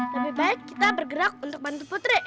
lebih baik kita bergerak untuk bantu putri